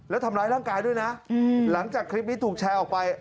แล้วทำร้ายร่างกายด้วยนะหลังจากคลิปนี้ถูกแชร์ออกไป